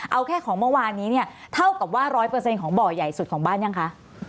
เอาแค่ของเมื่อวานนี้เนี่ยเท่ากับว่า๑๐๐ของบ่อใหญ่สุดของบ้านยังคะ